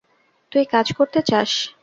তুই কাজ করতে চাস?